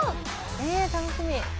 え楽しみ。